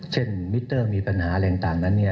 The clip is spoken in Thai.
เช่นมิตเตอร์มีปัญหาอะไรอย่างต่างนั้น